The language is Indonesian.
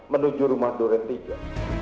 menuju rumah dorentiga